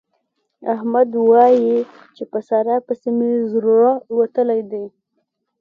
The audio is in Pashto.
احمد وايي چې په سارا پسې مې زړه وتلی دی.